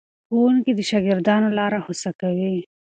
ښوونکي د شاګردانو لاره هوسا کوي.